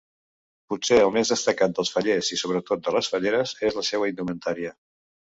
Potser el més destacat dels fallers i, sobretot, de les falleres, és la seua indumentària.